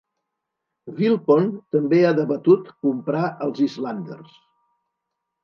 Wilpon també ha debatut comprar els Islanders.